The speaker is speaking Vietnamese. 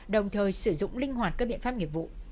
đồng thời sử dụng linh hoạt các biện pháp nghiệp vụ